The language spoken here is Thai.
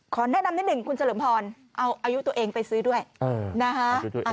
แนะนำนิดหนึ่งคุณเฉลิมพรเอาอายุตัวเองไปซื้อด้วยนะฮะ